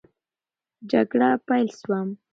جګړه پیل سوه.